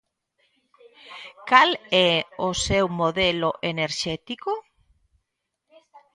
¿Cal é o seu modelo enerxético?